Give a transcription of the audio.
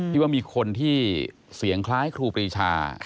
ว่ามีคนที่เสียงคล้ายครูปรีชา